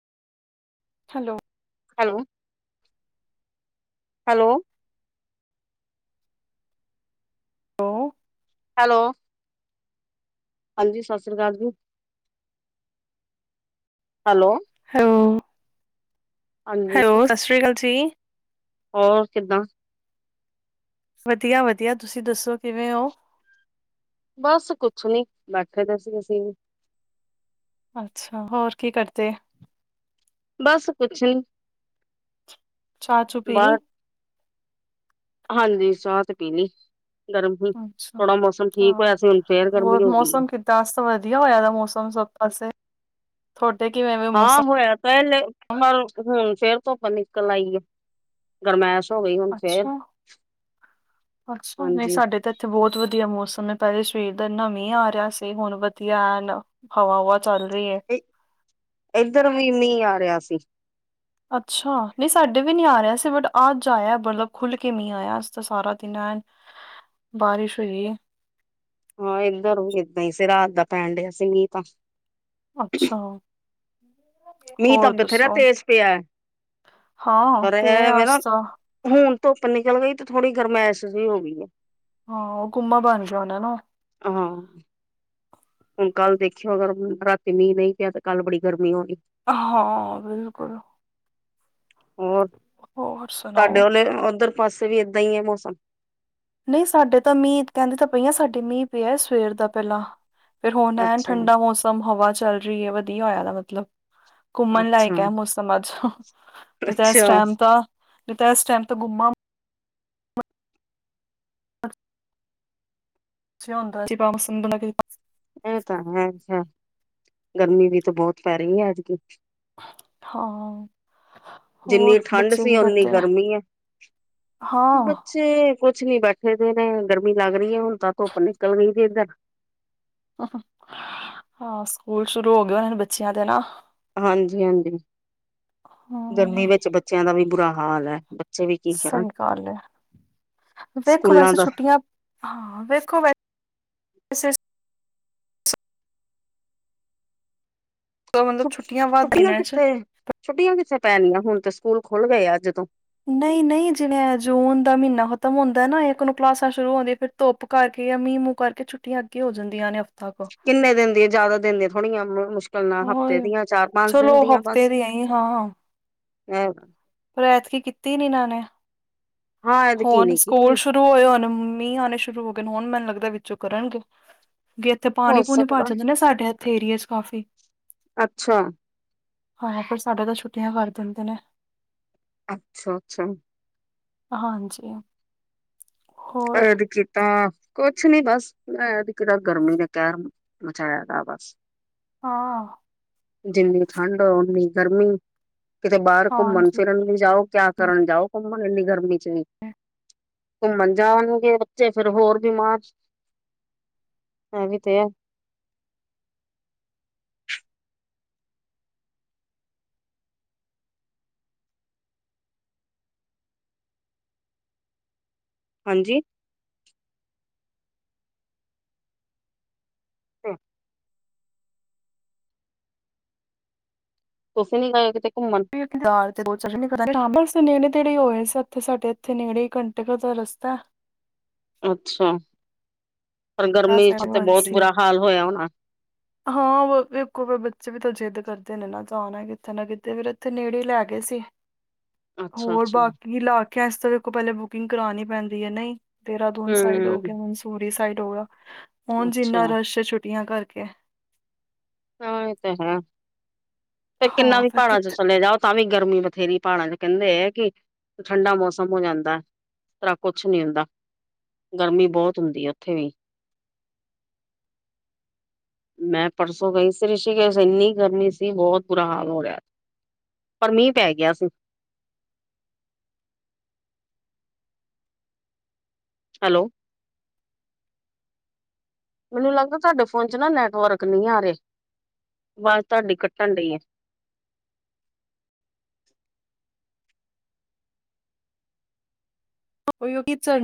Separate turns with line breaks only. Hello,
hello hello, hello, ਹਾਂਜੀ, ਸਤਿ ਸ੍ਰੀ ਅਕਾਲ ਜੀ ਹੈਲੋ।
ਹਾਂ,
ਹਾਂਜੀ
ਹੈਲੋ ਸਤਿ ਸ਼੍ਰੀ ਅਕਾਲ ਜੀ।
ਹੋਰ ਕਿੱਦਾਂ?
ਵਧੀਆ ਵਧੀਆ ਤੁਸੀਂ ਦੱਸੋ ਕਿਵੇਂ ਓ।
ਬਸ ਕੁਛ ਨੀ ਬੈਠੇ ਦੇ ਸੀ ਅਸੀਂ ਵੀ।
ਅੱਛਾ, ਹੋਰ ਕੀ ਕਰਦੇ?
ਬਸ ਕੁਛ ਨੀ।
ਚਾਹ ਚੂ ਪੀ
ਬਾਹਰ
ਲਈ?
ਹਾਂਜੀ, ਚਾਹ ਤੇ ਪੀ ਲਈ। ਗਰਮੀ
ਅੱਛਾ
ਥੋੜਾ ਮੌਸਮ ਠੀਕ ਹੋਇਆ ਸੀ। ਹੁਣ ਫੇਰ ਗਰਮੀ ਹੋ ਗਈ ਆ।
ਅੱਜ ਤਾਂ ਵਧੀਆ ਹੋਇਆ ਦਾ ਮੌਸਮ ਸਭ ਪਾਸੇ। ਥੋਡੇ ਕਿਵੇਂ?
ਹਾਂ,
ਮੌਸਮ
ਹੋਇਆ ਪਹਿਲੇ ਪਰ ਹੁਣ ਫੇਰ ਧੁੱਪ ਨਿਕਲ ਆਈ ਏ। ਗਰਮੈਸ਼ ਹੋ ਗਈ ਹੁਣ ਫੇਰ
ਅੱਛਾ ਅੱਛਾ ਨਹੀਂ
ਹਾਂਜੀ।
ਸਾਡੇ ਤਾਂ ਇੱਥੇ ਬਹੁਤ ਵਧੀਆ ਮੌਸਮ ਐ ਪਹਿਲੇ ਸਵੇਰ ਦਾ ਇਨਾ ਮੀਹ ਆ ਰਿਹਾ ਸੀ ਹੁਣ ਵਧੀਆ ਐਨ। ਹਵਾ, ਹੁਵਾ ਚੱਲ ਰਹੀ ਐ।
ਇੱਧਰ ਵੀ ਮੀਂਹ ਆ ਰਿਹਾ ਸੀ।
ਅੱਛਾ ਨਹੀਂ ਸਾਡੇ ਵੀ ਨੀ ਆ ਰਿਹਾ ਸੀ ਬਟ ਅੱਜ ਆਇਆ ਮਤਲਬ ਖੁੱਲ ਕੇ ਮੀਂਹ ਆਇਆ। ਅੱਜ ਤਾਂ ਸਾਰਾ ਦਿਨ ਆਇਆ। ਬਾਰਿਸ਼ ਹੋਈ?
ਹਾਂ, ਇੱਧਰ ਏਦਾਂ ਹੀ ਸੀ ਰਾਤ ਦਾ ਪੈਣ ਡਿਆ ਸੀ ਮੀਂਹ ਤਾਂ।
ਅੱਛਾ,
ਮੀਂਹ ਤਾਂ
ਹੋਰ
ਬਥੇਰਾ
ਦੱਸੋ?
ਤੇਜ਼ ਪਿਆ ਹੈ,
ਹਾਂ
ਪਰ
ਪਿਆ
ਐਵੇਂ ਨਾ
ਅੱਜ ਤਾਂ।
ਹੁਣ ਧੁੱਪ ਨਿਕਲ ਗਈ ਤੇ ਥੋੜੀ ਗਰਮੈਸ਼ ਜਿਹੀ ਹੋਗੀ ਏ।
ਹਾਂ, ਉਹ ਗੁਮਾ ਬਣ ਜਾਣਾ ਨਾ ਉਹ।
ਹਾਂ। ਹੁਣ ਕੱਲ ਦੇਖਿਉ, ਅਗਰ ਰਾਤੀ ਮੀਂਹ ਨਈ ਪਿਆ, ਤੇ ਕੱਲ੍ਹ ਬੜੀ ਗਰਮੀ ਹੋਣੀ।
ਹਾਂ, ਬਿਲਕੁਲ।
ਹੋਰ,
ਹੋਰ
ਤੁਹਾਡੇ
ਸੁਣਾਓ
ਵੱਲ ਔਧਰ ਪਾਸੇ ਵੀ ਏਦਾਂ ਈ ਏ ਮੌਸਮ?
ਨਈ, ਸਾਡੇ ਤਾਂ ਮੀਂਹ, ਕੈਂਦੀ ਤਾਂ ਪਈਆਂ। ਸਾਡੇ ਮੀਂਹ ਪਿਆ ਸਵੇਰ ਦਾ ਪਹਿਲਾ। ਫੇਰ ਹੁਣ ਐਨ
ਅੱਛਾ
ਠੰਡਾ ਮੌਸਮ, ਹਵਾ ਚੱਲ ਰਹੀ ਏ। ਵਧੀਆ ਹੋਇਆ, ਦਾ ਮਤਲਬ। ਘੁੰਮਣ ਲਾਇਕ
ਅੱਛਾ
ਏ ਮੌਸਮ ਅੱਜ। ਨੀ ਤੇ, ਏਸ
ਅੱਛਾ
ਟਾਈਮ ਤਾਂ ਨੀ ਤੇ, ਏਸ ਟਾਈਮ ਤਾਂ ਘੁੰਮ [inaudible] [unintelligible]
ਏ ਤਾਂ ਹੈ, ਸ਼ਾਇਦ ਗਰਮੀ ਵੀ ਤਾਂ ਬਹੁਤ ਪੈ ਰਹੀ ਹੈ ਐਤਕੀ।
ਹਾਂ,
ਜਿੰਨੀ
ਹੋਰ
ਠੰਡ
ਬੱਚੇ
ਸੀ
ਕੀ
ਓਨੀ
ਕਰਦੇ ਆ
ਗਰਮੀ ਐ।
ਹਾਂ
ਕੁਛ ਨੀ ਬੈਠੇ ਦੇ ਨੇ, ਗਰਮੀ ਲੱਗ ਰਹੀ ਐ ਹੁਣ ਤਾਂ ਧੁੱਪ ਨਿਕਲ ਗਈ ਦੀ ਇੱਧਰ।
ਹਾਂ, ਸਕੂਲ ਸ਼ੁਰੂ ਹੋ ਗਏ ਹੋਣੇ ਬੱਚਿਆਂ ਦੇ ਨਾ?
ਹਾਂਜੀ ਹਾਂਜੀ, ਗਰਮੀ
ਹਮ
ਵਿੱਚ ਬੱਚਿਆਂ ਦਾ ਵੀ ਬੁਰਾ ਹਾਲ ਐ।
ਸਈ ਗੱਲ ਐ, ਵੇਖੋ
ਸਕੂਲਾਂ
ਵੈਸੇ
ਦਾ
ਛੁੱਟੀਆਂ। ਹਾਂ ਵੇਖੋ। ਮਤਲਬ ਵੱਧ
ਛੁੱਟੀਆਂ
ਦਿਨਾਂ ਚ
ਕਿੱਥੇ? ਛੁੱਟੀਆਂ ਕਿੱਥੇ ਪੈਣੀਆਂ? ਹੁਣ ਤੇ ਸਕੂਲ ਖੁੱਲ ਗਏ ਆ, ਅੱਜ ਤੋਂ।
ਨਈ ਨਈ, ਜਿਵੇਂ ਇਹ ਜੂਨ ਦਾ ਮਹੀਨਾ ਖ਼ਤਮ ਹੁੰਦਾ ਨਾ, ਇਕ ਨੂੰ ਕਲਾਸਾਂ ਸ਼ੁਰੂ ਹੁੰਦੀਆਂ ਫਿਰ। ਧੁਪ ਕਰਕੇ ਜਾਂ ਮੀਹ ਮੂਹ ਕਰਕੇ, ਛੁੱਟੀਆਂ ਅੱਗੇ ਹੋ ਜਾਂਦੀਆਂ ਨੇ ਹਫ਼ਤਾ। ਕੁ
ਕਿੰਨੇ ਦਿਨ ਦੀ ਏ? ਜਾਦਾ ਦਿਨ ਦੀਆਂ ਥੋੜੀਆਂ ਮੁਸ਼ਕ ਚੱਲਨਾ,
ਹੋ
ਹਫ਼ਤੇ ਦੀਆਂ ਚਾਰ-ਪੰਜ
ਚਲੋ
ਦਿਨ ਦੀਆਂ
ਹਫ਼ਤੇ
ਬਸ
ਦੀ ਆਈ ਹਾਂ
ਹੈ।
ਪਰ ਐਤਕੀ ਕੀਤੀ ਨੀ ਇਨਾਂ ਨੇ-
ਹਾਂ ਐਦਕੀ
ਹੋਣ
ਨੀ
ਸਕੂਲ
ਕੀਤੀ
ਸ਼ੁਰੂ ਹੋਏ, ਹੋਣ ਮੀਂਹ ਆਣੇ ਸ਼ੁਰੂ ਹੋ ਗਏ, ਹੁਣ ਮੈਨੂੰ ਲੱਗਦਾ ਵਿਚੋ ਕਰਨਗੇ। ਬਈ ਇਥੇ
ਹੋ
ਪਾਣੀ ਪੂਣੀ ਭਰ
ਸਕਦਾ
ਜਾਂਦੇ ਨੇ। ਸਾਡੇ ਇਥੇ ਏਰੀਏ ਚ ਕਾਫੀ।
ਅੱਛਾ।
ਹਾਏ ਹਾਏ ਪਰ ਸਾਡੇ ਤਾਂ ਛੁੱਟੀਆ ਕਰ ਦਿੰਦੇ ਨੇ।
ਅੱਛਾ, ਅੱਛਾ।
ਹਾਂਜੀ। ਹੋਰ
ਐ, ਕਿ ਕੀਤਾਂ? ਕੁਛ ਨੀ, ਬਸ ਮੈ ਇਕ ਤਾਂ ਗਰਮੀ ਨੇ ਕਹਿਰ ਮਚਾਇਆ ਦਾ, ਬਸ।
ਹਾਂ।
ਜਿੰਨੀ ਠੰਡ, ਔਨੀ ਗਰਮੀ। ਕਿਤੇ ਬਾਰ
ਹਾਂਜੀ
ਕੁੱਮਣ-ਫਿਰਨ ਵੀ ਜਾਔ ਕਯਾ ਕਰਨ ਜਾਔ? ਕੁੱਮਣ, ਇੰਨੀ ਗਰਮੀ ਵਿੱਚ ਵੀ ਕੁੱਮਣ- ਜਾਣ ਨੂੰ ਕੇ ਬੱਚੇ ਫਿਰ ਹੋਰ ਬਿਮਾਰ ਐ ਵੀ ਤੇ ਐ। ਹਾਂਜੀ- [inaudible] ਤੁਸੀਂ ਨੀ ਗਏ ਕਿਤੇ ਕੁੱਮਣ?
ਬਸ, ਨੇੜੇ-ਤੇੜੇ ਈ ਹੋ ਆਏ ਸੀ। ਇਥੇ ਸਾਡੇ ਇੱਥੇ ਨੇੜੇ ਈ ਕੰਟੇ [unintelligible] ਦਾ ਰਸਤਾ ੲ।
ਅੱਛਾ, ਪਰ ਗਰਮੀ ਚ ਤੇ ਬੋਤ
ਸੀ
ਬੁਰਾ ਹਾਲ ਹੋਇਯਾਂ ਹੋਣਾ।
ਹਾਂ, ਵੇਖੋ, ਬੱਚੇ ਵੀ ਤਾਂ ਜਿੱਦ ਕਰਦੇ ਨੇ ਨਾ, ਜਾਣਾ ਕਿੱਥੇ ਨਾ ਕਿਤੇੇ, ਫੇਰ ਏੱਥੇ ਨੇੜੇ ਈ ਲੈ ਗੇ ਸੀ।
[inaudible]
ਹੋਰ
ਅੱਛਾ
ਬਾਕੀ ਇਲਾਕਿਆਂ ਚ ਤੇ ਵੇਖੋ ਪੈਲੇ ਬੁਕਿੰਗ ਕਰਾਣੀ ਪੈਂਦੀ ਏ, ਨਹੀ। ਦੇਰਾਦੂਨ ਸਾਈਡ ਹੋ
ਹੂੰ
ਗਿਆ, ਮਨਸੂਰੀ ਸਾਈਡ ਹੋ ਗਿਆ। ਹੁਣ
ਅੱਛਾ
ਜਿੰਨਾ ਰਸ਼ ਏ, ਛੁੱਟੀਆਂ ਕਰਕੇ।
ਹਾਂ, ਏ ਤੇ ਹੈ। ਤੇ ਕਿੰਨਾ
ਹਾਂ
ਵੀ
ਫਿਰ
ਪਾੜਾਂ ਚ ਚੱਲੇ ਜਾਓ। ਤਾਂ ਵੀ ਗਰਮੀ ਬਥੇਰੀ। ਪਾੜਾਂ ਚ ਕੈਂਦੇ ੲ ਕਿ ਠੰਡਾ ਮੌਸਮ ਹੋ ਜਾਂਦਾ। ਤਰ੍ਹਾਂ ਕੁਛ ਨੀ ਹੁੰਦਾ। ਗਰਮੀ ਬੋਤ ਹੁੰਦੀ ਏ, ਉੱਥੇ ਵੀ। ਮੈਂ ਪਰਸ ਗਈ ਸੀ ਰਿਸ਼ੀ ਕੇਸ ਇੰਨੀ ਗਰਮੀ ਸੀ। ਬਹੁਤ ਬੁਰਾ ਹਾਲ ਹੋ ਰਿਹਾ ਪਰ ਮੀਂਹ ਪੈ ਗਿਆ ਸੀ। ਹੈਲੋ। ਮੈਨੂੰ ਲੱਗਦਾ ਤੁਹਾਡੇ ਫੋਨ ਚ ਨਾ ਨੈਟਵਰਕ ਨਹੀਂ ਆ ਰਹੇ। ਵਾਜ ਤੁਹਾਡੀ ਕੱਟਣ ਡਈ ਅ।
[unintelligible]